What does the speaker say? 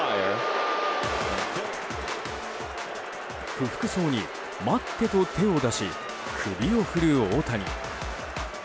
不服そうに、待ってと手を出し首を振る大谷。